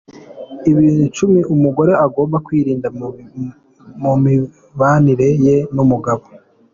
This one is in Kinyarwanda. Ibintu icumi umugore agomba kwirinda mu mibanire ye n’umugabo